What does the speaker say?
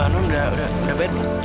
nam udah berapa ini